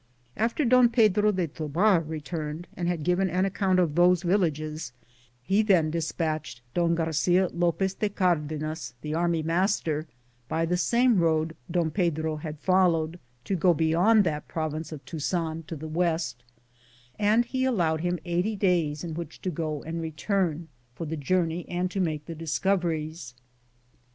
After Don Pedro de Tobar returned and had given an account of those villages, he then dispatched Don Garcia Lopez de Car denas, the army master, by the same road Don Pedro had followed, to go beyond that province of Tuzan to the west, and be allowed him eighty days in which to go and return, for the journey and to make the discoveries.